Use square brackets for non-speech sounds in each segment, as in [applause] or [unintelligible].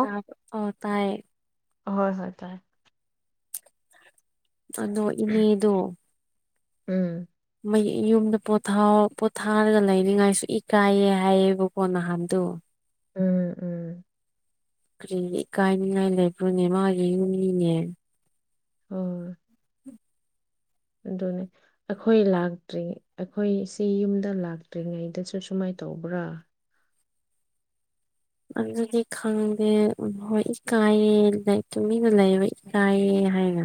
ꯇꯥꯕ꯭ꯔꯣ ꯑꯥ ꯇꯥꯏꯌꯦ ꯍꯣꯏ ꯍꯣꯏ ꯇꯥꯏ ꯑꯗꯣ ꯏꯅꯦ ꯗꯣ ꯎꯝ ꯃꯩ ꯌꯨꯝꯗ ꯄꯣꯊꯥꯎ ꯄꯣꯊꯥꯔꯒ ꯂꯩꯅꯤꯡꯉꯥꯏꯁꯨ ꯏꯀꯥꯏꯌꯦ ꯍꯥꯏꯌꯦꯕꯀꯣ ꯅꯍꯥꯟꯗꯨ ꯎꯝ ꯎꯝ ꯀꯔꯤꯒꯤ ꯏꯀꯥꯏꯅꯤꯉꯥꯏ ꯂꯩꯕ꯭ꯔꯣꯅꯦ ꯃꯥꯒꯤ ꯌꯨꯝꯅꯤꯅꯦ ꯍꯣꯏ ꯑꯗꯨꯅꯦ ꯑꯩꯈꯣꯏ ꯂꯥꯛꯇ꯭ꯔꯤ ꯑꯩꯈꯣꯏ ꯁꯤ ꯌꯨꯝꯗ ꯂꯥꯛꯇ꯭ꯔꯤꯉꯩꯗꯁꯨ ꯁꯨꯃꯥꯏ ꯇꯧꯕ꯭ꯔꯥ ꯑꯗꯨꯗꯤ ꯈꯪꯗꯦ ꯍꯣꯏ ꯏꯀꯥꯏꯔꯦꯅ ꯇꯨꯃꯤꯟꯅ ꯂꯩꯕ ꯀꯥꯏꯌꯦ ꯍꯥꯏꯅ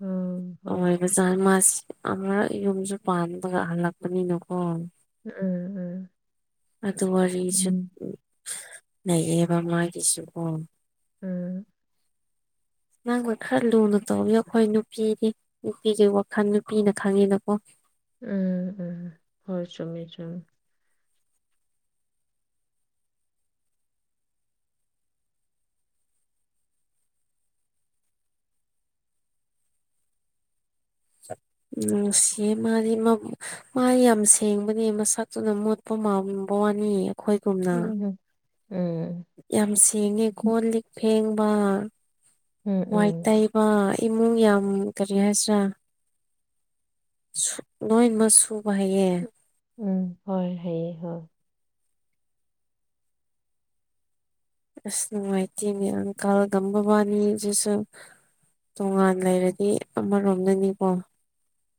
ꯎꯝ ꯍꯣꯏ ꯑꯣꯏꯕ [unintelligible] ꯃꯥꯁꯤ ꯑꯃꯥꯔꯛ ꯌꯨꯝꯁꯨ ꯄꯥꯟꯕꯥꯒ ꯍꯜꯂꯛꯄꯅꯤꯅꯀꯣ ꯎꯝ ꯎꯝ ꯑꯗꯨ ꯋꯥꯔꯤꯁꯨ ꯎꯝ ꯂꯩꯌꯦꯕ ꯃꯥꯒꯤꯁꯨꯀꯣ ꯎꯝ ꯅꯪꯅ ꯈꯔ ꯂꯨꯅ ꯇꯧꯕꯤꯌꯣ ꯑꯩꯈꯣꯏ ꯅꯨꯄꯤꯗꯤ ꯅꯨꯄꯤꯒꯤ ꯋꯥꯈꯜ ꯅꯨꯄꯤꯅ ꯈꯪꯉꯤꯅꯀꯣ ꯎꯝ ꯎꯝ ꯍꯣꯏ ꯆꯨꯝꯃꯦ ꯆꯨꯨꯝꯃꯦ ꯎꯝ ꯅꯨꯡꯁꯤ ꯃꯥꯗꯤ ꯃꯕꯨꯛ ꯃꯥ ꯌꯥꯝ ꯁꯦꯡꯕꯅꯦ ꯃꯁꯛꯇꯨꯗ ꯃꯣꯠꯄ ꯃꯥꯝꯕ ꯋꯥꯅꯤ ꯑꯩꯈꯣꯏꯒꯨꯝꯅ [unintelligible] ꯎꯝ ꯌꯥꯝ ꯁꯦꯡꯉꯦ ꯀꯣ ꯂꯤꯛ ꯐꯦꯡꯕ ꯎꯝ ꯋꯥꯏ ꯎꯝ ꯇꯩ ꯕ ꯏꯃꯨꯡ ꯌꯥꯝ ꯀꯔꯤ ꯍꯥꯏꯁꯤ꯭ꯔꯥ ꯁꯨ ꯂꯣꯏꯅꯃꯛ ꯁꯨꯕ ꯍꯩꯌꯦ ꯎꯝ ꯍꯣꯏ ꯍꯩꯌꯦ ꯍꯣꯏ ꯑꯁ ꯅꯨꯡꯉꯥꯏꯇꯦꯅꯦ ꯑꯪꯀꯜꯒꯥ ꯃꯕꯥꯅꯤ ꯖꯤꯁꯨ ꯇꯣꯉꯥꯟ ꯂꯩꯔꯗꯤ ꯑꯃꯥꯔꯣꯝꯗꯅꯤꯀꯣ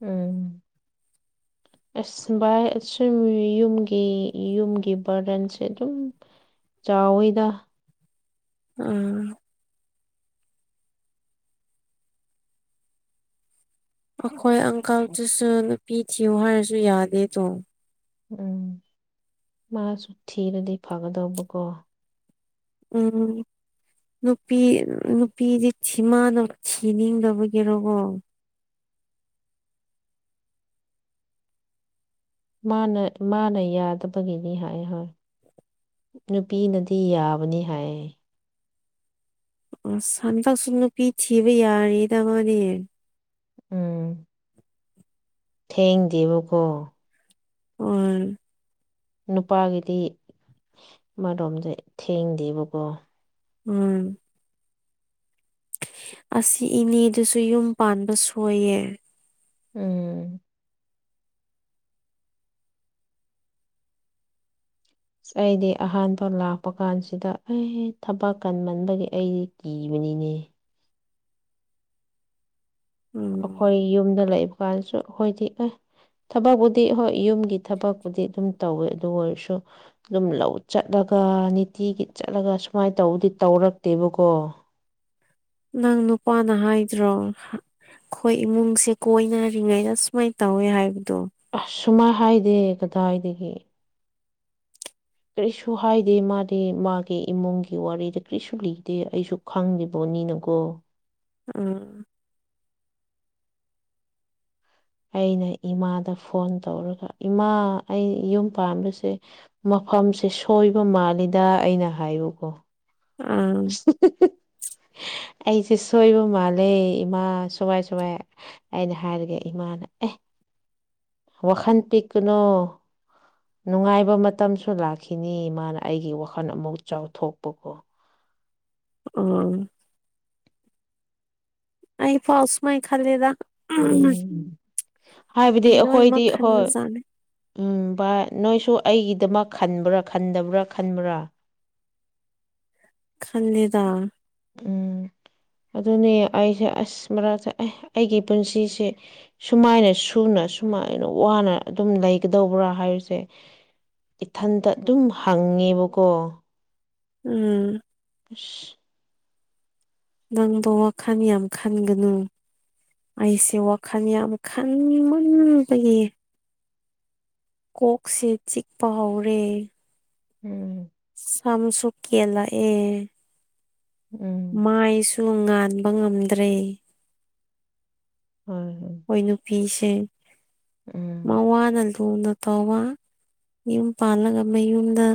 ꯎꯝ ꯑꯁ ꯚꯥꯏ ꯑꯩꯁꯨ ꯌꯨꯝꯒꯤ ꯌꯨꯝꯒꯤ ꯕ꯭ꯔꯗꯟꯁꯦ ꯑꯗꯨꯝ ꯆꯥꯎꯋꯤꯗꯥ ꯎꯝ ꯑꯩꯈꯣꯏ ꯑꯪꯀꯜꯗꯨꯁꯨ ꯅꯨꯄꯤ ꯊꯤꯌꯨ ꯍꯥꯏꯔꯁꯨ ꯌꯥꯗꯦꯗꯣ ꯎꯝ ꯃꯥꯁꯨ ꯊꯤꯔꯗꯤ ꯐꯒꯗꯧꯕꯀꯣ ꯎꯝ ꯅꯨꯄꯤ ꯅꯨꯄꯤꯗꯤ ꯁꯤꯃꯥꯅ ꯊꯤꯅꯤꯡꯗꯕꯒꯤꯔ‌ꯣ ꯀ‌ꯣ ꯃꯥꯅ ꯃꯥꯅ ꯌꯥꯗꯕꯒꯤꯅꯤ ꯍꯥꯏ ꯍꯣꯏ ꯅꯨꯄꯤꯅꯗꯤ ꯌꯥꯕꯅꯤ ꯍꯥꯏ ꯑꯁ ꯍꯥꯟꯗꯥꯛꯁꯨ ꯅꯨꯄꯤ ꯊꯤꯕ ꯌꯥꯔꯦꯗ ꯃꯗꯤ ꯎꯝ ꯊꯦꯡꯗꯦꯕꯀꯣ ꯍ‌ꯣꯏ ꯅꯨꯄꯥꯒꯤꯗꯤ ꯑꯃꯔꯣꯝꯗ ꯊꯦꯡꯗꯦꯕꯀꯣ ꯍꯣꯢ ꯑꯁ ꯏꯅꯦꯗꯨꯁꯨ ꯌꯨꯝ ꯄꯥꯟꯕ ꯁꯣꯏꯌꯦ ꯎꯝ ꯑꯁ ꯑꯩꯗꯤ ꯑꯍꯥꯟꯕ ꯂꯥꯛꯄ ꯀꯥꯟꯁꯤꯗ ꯑꯦ ꯊꯕꯛ ꯀꯟꯃꯟꯕꯒꯤ ꯑꯩꯗꯤ ꯀꯤꯕꯅꯤꯅꯦ ꯎꯝ ꯑꯩꯈꯣꯏ ꯌꯨꯝꯗ ꯂꯩꯕ ꯀꯥꯟꯗꯁꯨ ꯑꯩꯈꯣꯏꯗꯤ ꯑꯦ ꯊꯕꯛꯄꯨꯗꯤ ꯍꯣꯏ ꯌꯨꯝꯒꯤ ꯊꯕꯛꯄꯨꯗꯤ ꯑꯗꯨꯝ ꯇꯧꯋꯦ ꯑꯗꯨ ꯑꯣꯏꯔꯁꯨ ꯑꯗꯨꯝ ꯂꯧ ꯆꯠꯂꯒ ꯅꯤꯇꯤꯒꯤ ꯆꯠꯂꯒ ꯁꯨꯃꯥꯏꯅ ꯇꯧꯕꯗꯤ ꯇꯧꯔꯛꯇꯦꯕꯀꯣ ꯅꯪ ꯅꯨꯄꯥꯅ ꯍꯥꯏꯗ꯭ꯔꯣ ꯑꯩꯈꯣꯏ ꯏꯃꯨꯡꯁꯦ ꯀꯣꯏꯅꯔꯤꯉꯩꯗ ꯁꯨꯃꯥꯏꯅ ꯇꯧꯋꯦ ꯍꯥꯏꯕꯗꯣ ꯑꯁ ꯁꯨꯃꯥꯏꯅ ꯍꯥꯏꯗꯦ ꯀꯗꯥꯏꯗꯒꯤ ꯀꯔꯤꯁꯨ ꯍꯥꯏꯗꯦ ꯃꯥꯗꯤ ꯃꯥꯒꯤ ꯏꯃꯨꯡꯒꯤ ꯋꯥꯔꯤꯗ ꯀꯔꯤꯁꯨ ꯂꯤꯗꯦ ꯑꯩꯁꯨ ꯈꯪꯂꯤꯕꯣꯠꯅꯤꯅꯀꯣ ꯎꯝ ꯑꯩꯅ ꯏꯃꯥꯗ ꯐꯣꯟ ꯇꯧꯔꯒ ꯏꯃꯥ ꯑꯩ ꯌꯨꯝ ꯄꯥꯟꯕꯥꯁꯦ ꯃꯐꯝꯁꯦ ꯁꯣꯏꯕ ꯃꯥꯜꯂꯤꯗ ꯑꯩꯅ ꯍꯥꯏꯕꯀꯣ ꯑꯥ ꯑꯩꯁꯦ ꯁꯣꯏꯕ ꯃꯥꯜꯂꯦ ꯏꯃꯥ ꯁꯨꯃꯥꯏ ꯁꯨꯃꯥꯏ ꯑꯩꯅ ꯍꯥꯏꯔꯒꯦ ꯏꯃꯥꯅ ꯑꯦ ꯋꯥꯈꯜ ꯄꯤꯛꯀꯅꯣ ꯅꯨꯡꯉꯥꯏꯕ ꯃꯇꯝꯁꯨ ꯂꯥꯛꯈꯤꯅꯤ ꯃꯥꯅ ꯑꯩꯒꯤ ꯋꯥꯈꯜ ꯑꯃꯨꯛ ꯆꯥꯎꯊꯣꯛꯄꯀꯣ ꯎꯝ ꯑꯩꯐꯥꯎ ꯁꯨꯃꯥꯏ ꯈꯜꯂꯦꯗ ꯎꯝ ꯍꯥꯏꯕꯗꯤ ꯅꯨꯄꯤ ꯂꯣꯏꯅꯃꯛ ꯑꯩꯈꯣꯏꯗꯤ ꯍꯣꯏ ꯈꯟꯕꯖꯥꯠꯅꯤ ꯎꯝ ꯚꯥꯏ ꯅꯣꯏꯁꯨ ꯑꯩꯒꯤꯗꯃꯛ ꯈꯟꯕ꯭ꯔꯥ ꯈꯟꯗꯕ꯭ꯔꯥ ꯈꯟꯕ꯭ꯔꯥ ꯈꯟꯂꯦꯗ ꯎꯝ ꯑꯗꯨꯅꯦ ꯑꯩꯁꯦ ꯑꯁ ꯃꯔꯛꯇ ꯑꯩꯒꯤ ꯄꯨꯟꯁꯤꯁꯦ ꯁꯨꯃꯥꯏꯅ ꯁꯨꯅ ꯁꯨꯃꯥꯏꯅ ꯋꯥꯅ ꯑꯗꯨꯝ ꯂꯩꯒꯗꯧꯕ꯭ꯔꯥ ꯍꯥꯏꯕꯁꯦ ꯏꯊꯟꯇ ꯑꯗꯨꯝ ꯍꯪꯉꯦꯕꯀꯣ ꯎꯝ ꯑꯁ [inaudible] ꯅꯪꯗꯣ ꯋꯥꯈꯜ ꯌꯥꯝ ꯈꯟꯒꯅꯨ ꯑꯩꯁꯦ ꯋꯥꯈꯜ ꯌꯥꯝ ꯈꯟꯃꯟꯕꯒꯤ ꯀꯣꯛꯁꯦ ꯆꯤꯛꯄ ꯍꯧꯔꯦ ꯎꯝ ꯁꯥꯝꯁꯨ ꯀꯦꯟ‌ꯂꯛꯑ‌ꯦ ꯎꯝ ꯃꯥꯏꯁꯨ ꯉꯥꯟꯕ ꯉꯝꯗ꯭ꯔꯦ ꯍ‌ꯣꯏ ꯍꯣꯏ ꯃ‌ꯣꯏ ꯅꯨꯄꯤꯁ‌ꯦ ꯎꯝ ꯃꯋꯥꯅ ꯂꯨꯅ ꯇꯧꯕ ꯌꯨꯝ ꯄꯥꯜꯂꯒ ꯃꯌꯨꯝꯗ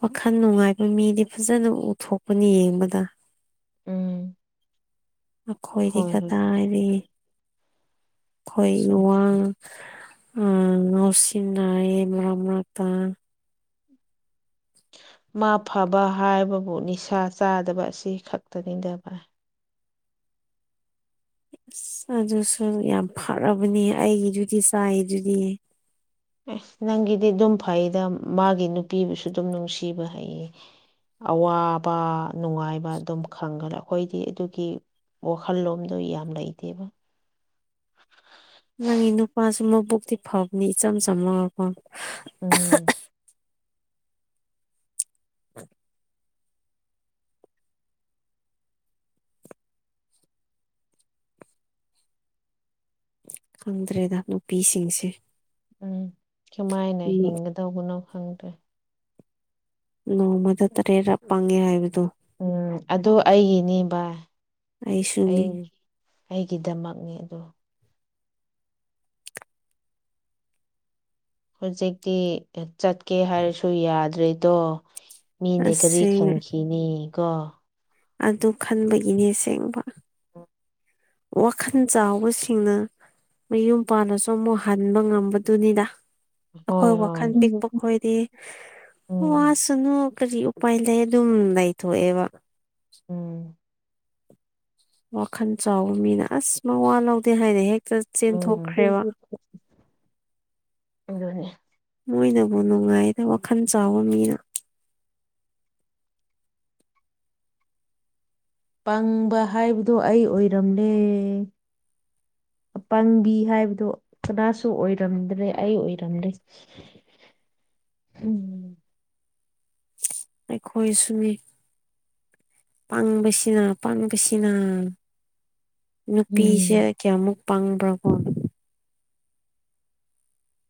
ꯋꯥꯈꯜ ꯅꯨꯡꯉꯥꯏꯕ ꯃꯤꯗꯤ ꯐꯖꯅ ꯎꯊꯣꯛꯄꯅꯤ ꯌꯦꯡꯕꯗ ꯎꯝ ꯑꯩꯈꯣꯏꯗꯤ ꯍꯣꯏ ꯍꯣꯏ ꯀꯗꯥꯏꯗꯒꯤ ꯑꯩꯈꯣꯏ ꯁꯨꯝ ꯏꯋꯥ ꯑꯝ ꯉꯥꯎꯁꯤꯟꯅꯩꯏ ꯃꯔꯛ ꯃꯔꯛꯇ ꯃꯥ ꯐꯕ ꯍꯥꯏꯕꯕꯨ ꯅꯤꯁꯥ ꯆꯥꯗꯕ ꯑꯁꯤ ꯈꯛꯇꯅꯤꯗꯅꯤꯕ ꯑꯁ ꯑꯗꯨꯁꯨ ꯌꯥꯝ ꯐꯔꯕꯅꯦ ꯑꯩꯒꯤꯗꯨꯗꯤ ꯆꯥꯏ ꯗꯨꯗꯤ ꯑꯦꯁ ꯅꯪꯒꯤꯗꯤ ꯑꯗꯨꯝ ꯐꯩꯗ ꯃꯥꯒꯤ ꯅꯨꯄꯤꯕꯨꯁꯨ ꯑꯗꯨꯝ ꯅꯨꯡꯁꯤꯕ ꯍꯩꯌꯦ ꯑꯋꯥꯕ ꯅꯨꯡꯉꯥꯏꯕ ꯑꯗꯨꯝ ꯈꯪꯒꯂꯦ ꯑꯩꯈꯣꯏꯗꯤ ꯑꯗꯨꯒꯤ ꯋꯥꯈꯜꯂꯣꯝꯗꯣ ꯌꯥꯝ ꯂꯩꯇꯦꯕ ꯅꯪꯒꯤ ꯅꯨꯄꯥꯁꯨ ꯃꯕꯨꯛꯇꯤ ꯐꯕꯅꯤ ꯏꯆꯝ ꯆꯝꯃꯒꯀ‌ꯣ ꯎꯝ [unintelligible] ꯈꯪꯗ꯭ꯔꯦꯗ ꯅꯨꯄꯤꯁꯤꯡꯁꯦ ꯎꯝ ꯀꯃꯥꯏꯅ ꯅꯣ- ꯍꯤꯡꯒꯗꯧꯕꯅꯣ ꯈꯪꯗ꯭ꯔꯦ ꯅꯣꯡꯃꯗ ꯇꯔꯦꯠꯔꯛ ꯄꯪꯉꯦ ꯍꯥꯏꯕꯗꯣ ꯎꯝ ꯑꯗꯨ ꯑꯩꯒꯤꯅꯤ ꯕꯥ ꯑꯩꯁꯨꯅꯤ ꯑꯩ ꯑꯩꯒꯤꯗꯃꯛꯅꯤ ꯑꯗꯨ ꯍꯧꯖꯤꯛꯇꯤ ꯆꯠꯀꯦ ꯍꯥꯏꯔꯁꯨ ꯌꯥꯗ꯭ꯔꯦꯗꯣ ꯃꯤꯅ ꯀꯔꯤ ꯑꯁꯦꯡ ꯈꯟꯈꯤ ꯅꯤꯀ‌ꯣ ꯑꯗꯨ ꯈꯟꯕꯒꯤꯅꯤ ꯑꯁꯦꯡꯕ [inaudible] ꯋꯥꯈꯟ ꯆꯥꯎꯕꯁꯤꯡꯅ ꯃꯌꯨꯝ ꯄꯥꯟꯂꯁꯨ ꯑꯃꯨꯛ ꯍꯟꯕ ꯉꯝꯕꯗꯨꯅꯤꯗ ꯍꯣꯏ ꯑꯩꯈꯣꯏ ꯍꯣꯏ ꯋꯥꯈꯟ ꯄꯤꯛꯄ ꯈꯣꯏꯗꯤ ꯎꯝ ꯋꯥꯁ ꯁꯅꯣ ꯀꯔꯤ ꯎꯄꯥꯏ ꯂꯩ ꯑꯗꯨꯝ ꯂꯩꯊꯣꯛꯑꯦꯕ ꯎꯝ ꯋꯥꯈꯟ ꯆꯥꯎꯕ ꯃꯤꯅ ꯑꯁ ꯃꯋꯥ ꯂꯧꯗꯦ ꯍꯥꯏꯅ ꯍꯦꯛꯇ ꯎꯝ ꯆꯦꯟꯊꯣꯛꯈ꯭ꯔꯦꯕ ꯑꯗꯨꯅꯦ ꯃꯣꯏꯅꯕꯨ ꯅꯨꯡꯉꯥꯏꯗ ꯋꯥꯈꯟ ꯆꯥꯎꯕ ꯃꯤꯅ ꯄꯪꯕ ꯍꯥꯏꯕꯗꯣ ꯑꯩ ꯑꯣꯏꯔꯝꯂꯦ ꯑꯄꯪꯕꯤ ꯍꯥꯏꯕꯗ‌ꯣ ꯀꯅꯥꯁꯨ ꯑꯣꯏꯔꯝꯗ꯭ꯔꯦ ꯑꯩ ꯑꯣꯏꯔꯝꯂ‌ꯦ ꯎꯝ ꯑꯩꯈꯣꯏ ꯁꯨꯅꯤ ꯄꯪꯕꯁꯤꯅ ꯄꯪꯕꯁꯤꯅ ꯅꯨꯄꯤꯁꯦ ꯎꯝ ꯀꯌꯥꯃꯨꯛ ꯄꯪꯕ꯭ꯔꯀ‌ꯣ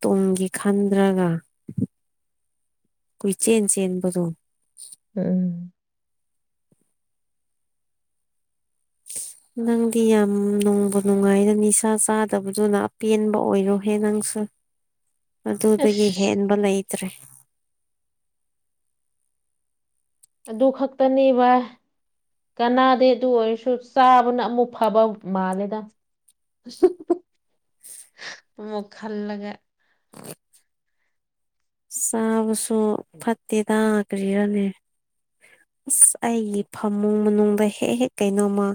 ꯇꯨꯡꯒꯤ ꯈꯟꯗ꯭ꯔꯒ ꯀꯨꯏ ꯆꯦꯟ ꯆꯦꯟꯕꯗꯣ ꯎꯝ [inaudible] ꯅꯪꯗꯤ ꯌꯥꯝ ꯅꯨꯡꯕꯨ ꯅꯨꯡꯉꯥꯏꯗ ꯅꯤꯁꯥ ꯆꯥꯗꯕꯗꯨꯅ ꯑꯄꯦꯟꯕ ꯑꯣꯏꯔꯣꯍꯦ ꯅꯪꯁꯨ ꯑꯗꯨꯗꯒꯤ ꯑꯁ ꯍꯦꯟꯕ ꯂꯩꯇ꯭ꯔꯦ ꯑꯗꯨ ꯈꯛꯇꯅꯦꯕ ꯀꯥꯅꯗ‌ꯦ ꯑꯗꯨ ꯑꯣꯏꯔꯁꯨ ꯆꯥꯕꯅ ꯑꯃꯨꯛ ꯐꯕ ꯃꯥꯜꯂꯦꯗ [unintelligible] ꯑꯃꯨꯛ ꯈꯜꯂꯒ ꯆꯥꯕꯁꯨ ꯐꯠꯇꯦꯗ ꯀꯔꯤꯔꯥꯅꯦ [inaudible] ꯑꯁ ꯑꯩꯒꯤ ꯐꯃꯨꯡ ꯃꯅꯨꯡꯗ ꯍꯦꯛ ꯍꯦꯛ ꯀꯩꯅꯣꯃ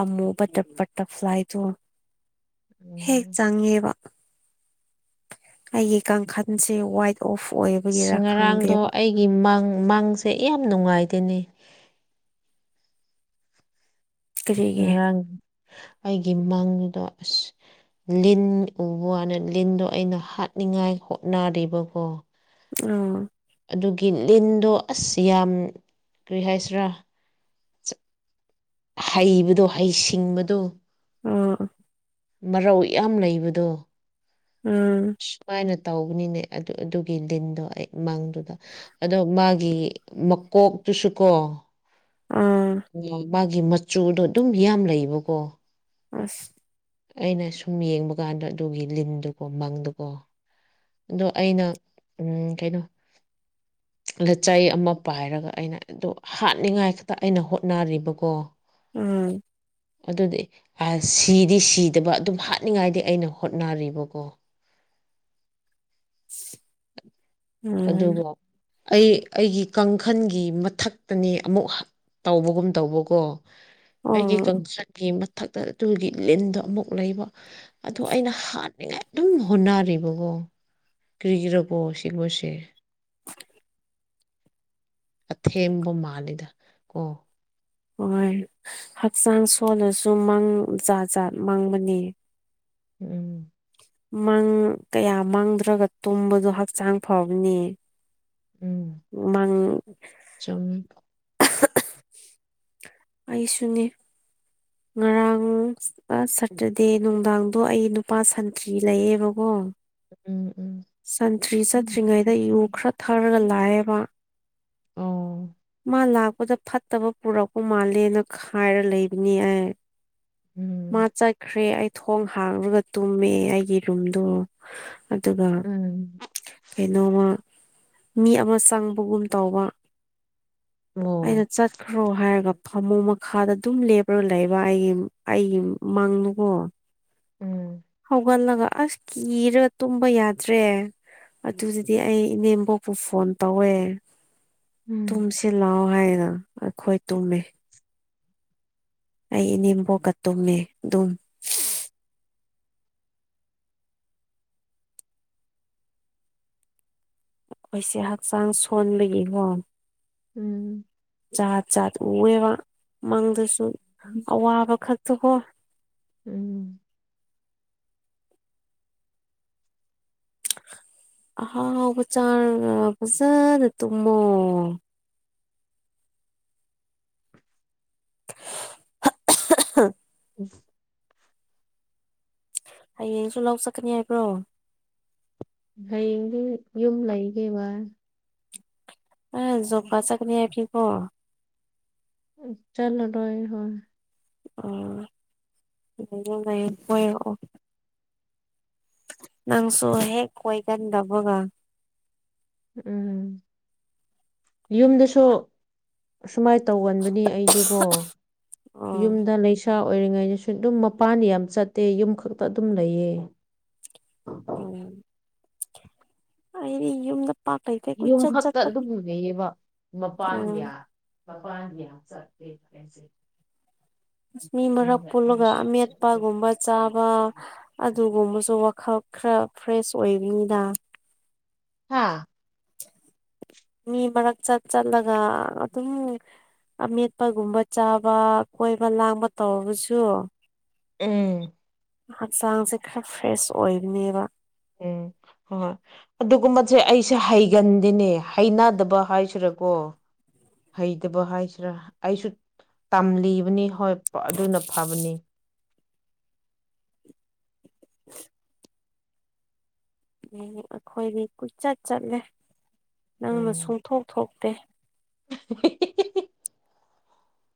ꯑꯃꯨꯕ ꯕ ꯕꯠꯇꯔꯐ꯭ꯂꯥꯏꯗꯣ [inaudible] ꯍꯦꯛ ꯎꯝ ꯆꯪꯉꯦꯕ ꯑꯩꯒꯤ ꯀꯥꯡꯈꯟꯁꯦ ꯋꯥꯏꯠ ꯑꯣꯐ ꯑꯣꯏꯕꯒꯤꯔ ꯈꯪꯗꯦꯕꯥ ꯒꯤ ꯃꯪ ꯃꯪꯁꯦ ꯌꯥꯝ ꯅꯨꯡꯉꯥꯏꯇ‌ꯦꯅꯦ ꯀꯔꯤꯒꯤ ꯉꯔꯥꯡ ꯑꯩꯒꯤ ꯃꯪꯗꯥ ꯑꯁ ꯂꯤꯟ ꯎꯕ ꯋꯥꯅ‌ꯦ ꯂꯤꯟꯗꯣ ꯑꯩꯅ ꯍꯥꯠꯅꯤꯡꯉꯥꯏ ꯍꯣꯠꯅꯔꯤꯕꯀꯣ ꯑꯣ ꯑꯗꯨꯒꯤ ꯂꯤꯟꯗꯣ ꯑꯁ ꯌꯥꯝ ꯀꯔꯤ ꯍꯥꯏꯁꯤꯔꯥ ꯍꯩꯕꯗꯣ ꯍꯩꯁꯤꯡꯕꯗꯣ ꯑꯥ ꯃꯔꯧ ꯌꯥꯝ ꯂꯩꯕꯗꯣ ꯑꯥ ꯁꯨꯃꯥꯏꯅ ꯇꯧꯕꯅꯤꯅꯦ ꯑꯗꯨ ꯑꯗꯨꯒꯤ ꯂꯤꯟꯗꯣ ꯑꯩ ꯃꯪꯗꯨꯗꯥ ꯑꯗꯣ ꯃꯥꯒꯤ ꯃꯀꯣꯛꯇꯨꯁꯨ ꯀꯣ ꯎꯝ ꯃꯥ ꯃꯥꯒꯤ ꯃꯆꯨꯗꯣ ꯑꯗꯨꯝ ꯌꯥꯝ ꯂꯩꯕꯀꯣ ꯑꯁ ꯑꯩꯅ ꯁꯨꯝ ꯌꯦꯡꯕ ꯀꯥꯟꯗ ꯑꯗꯨꯒꯤ ꯂꯤꯟꯗꯨꯀꯣ ꯃꯪꯗꯀꯣ ꯑꯗꯣ ꯑꯩꯅ ꯎꯝ ꯀꯩꯅꯣ ꯂꯤꯆꯩ ꯑꯃ ꯄꯥꯏꯔꯒ ꯑꯩꯅ ꯑꯗ‌ꯣ ꯍꯥꯠꯅꯤꯡꯉꯥꯏ ꯈꯛꯇ ꯑꯩꯅ ꯍꯣꯠꯅꯔꯤꯕ ꯄꯣ ꯎꯝ ꯑꯗꯨꯗꯤ ꯑꯁ ꯁꯤꯗꯤ ꯁꯤꯗꯕ ꯑꯗꯨꯝ ꯍꯥꯠꯅꯤꯡꯉꯥꯏꯗꯤ ꯑꯩꯅ ꯍꯣꯠꯅꯔꯤꯕꯀꯣ ꯎꯝ ꯑꯗꯨꯒꯣ ꯑꯩ ꯑꯩꯒꯤ ꯀꯥꯡꯈꯟꯒꯤ ꯃꯊꯛꯇꯅ‌ꯦ ꯑꯃꯨꯛ ꯇꯧꯕꯒꯨꯝ ꯇꯧꯕꯀꯣ ꯑꯩꯒꯤ ꯑꯣ ꯀꯥꯡꯆꯠꯀꯤ ꯃꯊꯛꯇ ꯑꯗꯨꯒꯤ ꯂꯤꯟꯗꯣ ꯑꯃꯨꯛ ꯂꯩꯕ ꯑꯗꯣ ꯑꯩꯅ ꯍꯥꯠꯅꯤꯡꯉꯥꯏ ꯑꯗꯨꯝ ꯍꯣꯠꯅꯔꯤꯕꯀꯣ ꯀ꯭ꯔꯤꯒꯤꯔꯕꯣ ꯁꯤꯒꯨꯝꯕꯁꯦ ꯑꯊꯦꯝꯕ ꯃꯥꯜꯂꯤꯗ ꯀꯣ ꯍꯣꯏ ꯍꯛꯆꯥꯡ ꯁꯣꯜꯂꯁꯨ ꯃꯪ ꯖꯥꯠ ꯖꯥꯠ ꯃꯪꯕꯅ‌ꯦ ꯎꯝ ꯃꯪ ꯀꯌꯥ ꯃꯪꯗ꯭ꯔꯒꯥ ꯇꯨꯝꯕꯗꯣ ꯍꯛꯆꯥꯡ ꯐꯕꯅ‌ꯦ ꯃꯪ ꯆꯨꯨꯝꯃꯤ [unintelligible] ꯑꯩꯁꯨꯅ‌ꯦ ꯉꯔꯥꯡ ꯑꯥ ꯁꯇꯔꯗꯦ ꯅꯨꯡꯗꯥꯡꯗꯣ ꯑꯩ ꯅꯨꯄꯥ ꯁꯟꯇ꯭ꯔꯤ ꯂꯩꯌꯦꯕꯀꯣ ꯎꯝ ꯎꯝ ꯁꯟꯇ꯭ꯔꯤ ꯆꯠꯇ꯭ꯔꯤꯉꯩꯗ ꯌꯨ ꯈꯔ ꯊꯥꯔꯒ ꯂꯥꯛꯑꯦꯕ ꯑꯣ ꯃꯥ ꯂꯥꯛꯄꯗ ꯐꯠꯇꯕ ꯄꯨꯔꯛꯄ ꯃꯥꯜꯂꯦꯅ ꯈꯥꯏꯔ ꯂꯩꯕꯅꯤ ꯑꯩ ꯎꯝ ꯃꯥ ꯆꯠꯈ꯭ꯔꯦ ꯑꯩ ꯊꯣꯡ ꯍꯥꯡꯉꯒ ꯇꯨꯝꯃꯦ ꯑꯩꯒꯤ ꯔꯨꯝꯗꯣ ꯑꯗꯨꯒ ꯎꯝ ꯀꯩꯅꯣꯝꯃꯥ ꯃꯤ ꯑꯃꯥ ꯆꯪꯕꯒꯨꯝ ꯇꯧꯕ ꯑꯩꯅꯥ ꯑꯣ ꯆꯠ ꯈ꯭ꯔꯣ ꯍꯥꯏꯔꯒ ꯐꯃꯨꯡ ꯃꯈꯥꯗ ꯑꯗꯨꯝ ꯂꯦꯞꯄ꯭ꯔ ꯂꯩꯕ ꯑꯩꯒꯤ ꯑꯩꯒꯤ ꯃꯪꯗꯨꯨꯕꯣ ꯎꯝ ꯍꯧꯒꯠꯂꯒ ꯑꯁ ꯀꯤꯔꯥ ꯇꯨꯝꯕ ꯌꯥ ꯇ꯭ꯔꯦ ꯑꯗꯨꯗꯤ ꯑꯩ ꯏꯅꯦꯝꯕꯣꯛꯄꯨ ꯐꯣꯟ ꯇꯧꯋꯦ ꯎꯝ ꯇꯨꯝꯁꯤ ꯂꯥꯎ ꯍꯥꯏꯅ ꯑꯩꯈꯣꯏ ꯇꯨꯝꯃꯦ ꯑꯩ ꯏꯅꯦꯝꯕꯣꯛꯀ ꯇꯨꯝꯃꯦ ꯑꯗꯨꯝ ꯑꯩꯁꯦ ꯍꯛꯆꯥꯡ ꯁꯣꯟꯕꯒꯤꯀꯣ ꯎꯝ ꯖꯥꯠ ꯖꯥꯠ ꯎꯋꯦꯕ ꯃꯪꯗꯁꯨ [inaudible] ꯑꯋꯥꯕ ꯈꯛꯇꯣꯀꯣ ꯎꯝ ꯑꯍꯥꯎꯕ ꯆꯔꯥꯒ ꯐꯖꯅ ꯇꯨꯝꯃꯣ [unintelligible] [unintelligible] ꯍꯌꯦꯡꯁꯨ ꯂꯧ ꯆꯠꯀꯅꯤ ꯍꯥꯏꯕ꯭ꯔꯣ ꯍꯌꯦꯡꯗꯤ ꯌꯨꯝ ꯂꯩꯒꯦꯕ ꯑꯥ ꯖꯣꯕ ꯀꯥꯠ ꯆꯠꯀꯅꯤ ꯍꯥꯏꯈꯤꯕ꯭ꯔꯣ [unintelligible] ꯆꯠꯂꯔꯣꯏ ꯍꯣꯏ ꯑꯣ ꯑꯗꯨꯗ ꯂꯩ ꯋꯥꯏꯔꯛꯑꯣ ꯅꯪꯁꯨ ꯍꯦꯛ ꯀꯣꯏꯒꯟꯗꯕꯥꯒ ꯎꯝ ꯌꯨꯝꯗꯁꯨ ꯑꯁꯨꯃꯥꯏꯅ ꯇꯧꯒꯟꯕꯅꯤ ꯑꯩꯗꯨꯀꯣ ꯎꯝ ꯌꯨꯝꯗ ꯂꯩꯁꯥ ꯑꯣꯏꯔꯤꯉꯩꯗꯁꯨ ꯗꯨꯝ ꯃꯄꯥꯟ ꯌꯥꯝ ꯆꯠꯇꯦ ꯌꯨꯝ ꯈꯛꯇ ꯗꯨꯝ ꯂꯩꯌꯦ ꯎꯝ ꯑꯩꯗꯤ ꯌꯨꯝꯗ ꯄꯥꯛ ꯂꯩꯇꯦ ꯌꯨꯝ ꯀꯨꯏꯆꯠ ꯈꯛꯇ ꯆꯠꯄꯅꯤ ꯑꯗꯨꯝ ꯂꯩꯌꯦꯕ ꯎꯝ ꯃꯄꯥꯟꯒ꯭ꯌꯥ ꯃꯄꯥꯟꯒ ꯌꯥꯝ ꯆꯠꯂꯦ [unintelligible] ꯃꯤ ꯃꯔꯛ ꯄꯨꯜꯂꯒ ꯑꯃꯦꯠꯄꯒꯨꯝꯕ ꯆꯥꯕ ꯑꯗꯨꯒꯨꯝꯕꯁꯨ ꯋꯥꯈꯜ ꯈꯔ ꯐ꯭ꯔꯦꯁ ꯑꯣꯏꯕꯅꯤꯗ ꯍꯥꯥ ꯃꯤ ꯃꯔꯛ ꯆꯠ ꯆꯠꯂꯒ ꯑꯗꯨꯝ ꯑꯃꯦꯠꯄꯒꯨꯝꯕ ꯆꯥꯕ ꯀꯣꯏꯕ ꯂꯥꯡꯕ ꯇꯧꯕꯁꯨ ꯎꯝ ꯍꯥꯆꯥꯡꯁꯦ ꯈꯔ ꯐ꯭ꯔꯦꯁ ꯑꯣꯏꯕꯅꯦꯕ ꯎꯝ ꯍꯣ ꯍꯣꯏ ꯑꯗꯨꯒꯨꯝꯕꯁꯦ ꯑꯩꯁꯦ ꯍꯩꯒꯟꯗꯦꯅꯦ ꯍꯩꯅꯗꯕ ꯍꯥꯏꯁꯤꯔꯀꯣ ꯍꯩꯇꯕ ꯍꯥꯏꯁꯤꯔꯥ ꯑꯩꯁꯨ ꯇꯝꯂꯤꯕꯅꯤ ꯍꯣꯏ ꯑꯗꯨꯅ ꯐꯕꯅꯤ [unintelligible] [unintelligible] ꯑꯈꯣꯏꯗꯤ ꯀꯣꯏꯆꯠ ꯆꯠꯂꯦ ꯅꯪꯅ ꯎꯝ ꯁꯨꯡꯊꯣꯛ ꯊꯣꯛꯇꯦ [unintelligible]